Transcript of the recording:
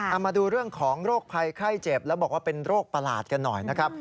เอามาดูเรื่องของโรคภัยไข้เจ็บแล้วบอกว่าเป็นโรคประหลาดกันหน่อยนะครับ